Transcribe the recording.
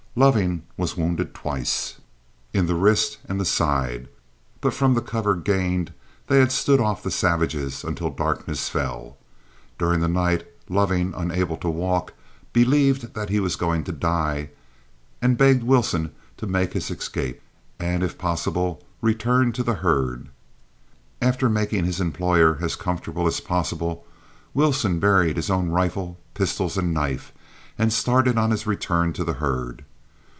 Loving was wounded twice, in the wrist and the side, but from the cover gained they had stood off the savages until darkness fell. During the night Loving, unable to walk, believed that he was going to die, and begged Wilson to make his escape, and if possible return to the herd. After making his employer as comfortable as possible, Wilson buried his own rifle, pistols, and knife, and started on his return to the herd.